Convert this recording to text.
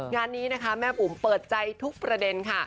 งานนี้นะคะแม่บุ๋มเปิดใจทุกประเด็นค่ะ